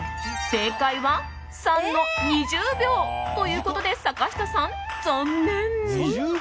正解は３の２０秒！ということで坂下さん、残念！